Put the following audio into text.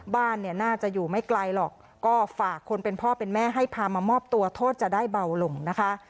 บ้านเนี่ยน่าจะอยู่ไม่ไกลหรอกก็ฝากคนเป็นพ่อเป็นแม่ให้พามามอบตัวโทษจะได้เบาลงนะคะ